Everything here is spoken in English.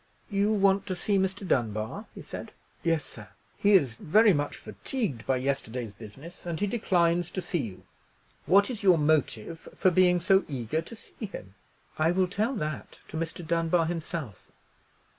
"You want to see Mr. Dunbar?" he said. "Yes, sir!" "He is very much fatigued by yesterday's business, and he declines to see you. What is your motive for being so eager to see him?" "I will tell that to Mr. Dunbar himself."